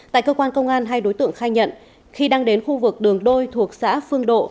tại cơ quan công an hai đối tượng khai nhận khi đang đến khu vực đường đôi thuộc xã phương độ